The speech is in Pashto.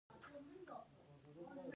کبان د زګونو په واسطه ساه اخلي